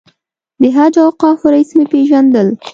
د حج او اوقافو رییس مې پېژندل.